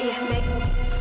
iya baik bu